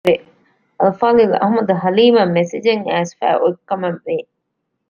އިއްޔެ ހަވީރުއްސުރެ އަލްފާޟިލް އަޙްމަދު ޙަލީމަށް މެސެޖެއް އައިސްފައި އޮތް ކަމަށް ވެ